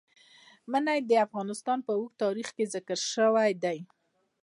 منی د افغانستان په اوږده تاریخ کې ذکر شوی دی.